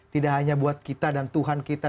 tidak hanya buat kita dan tuhan kita